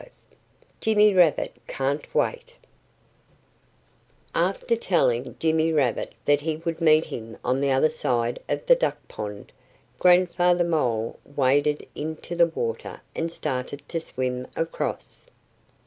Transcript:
V JIMMY RABBIT CAN'T WAIT AFTER telling Jimmy Rabbit that he would meet him on the other side of the duck pond, Grandfather Mole waded into the water and started to swim across.